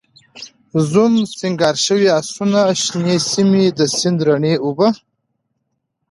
زوم، سینګار شوي آسونه، شنې سیمې، د سیند رڼې اوبه